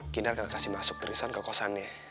kinar gak kasih masuk tristan ke kosannya